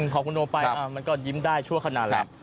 พอคุณโอไปมันก็ยิ้มได้ชั่วขนาดแหละ